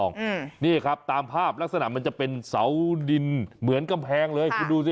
อืมนี่ครับตามภาพลักษณะมันจะเป็นเสาดินเหมือนกำแพงเลยคุณดูสิ